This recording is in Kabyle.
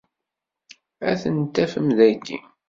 Ad ten-tafem dagi.